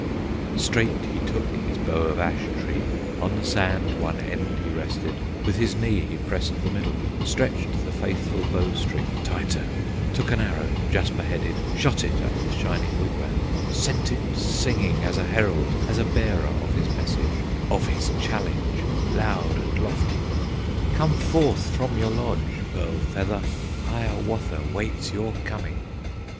Straight he took his bow of ash tree, On the sand one end he rested, With his knee he pressed the middle, Stretched the faithful bow string tighter, Took an arrow, jasperheaded, Shot it at the Shining Wigwam, Sent it singing as a herald, As a bearer of his message, Of his challenge loud and lofty: "Come forth from your lodge, Pearl Feather! Hiawatha waits your coming!"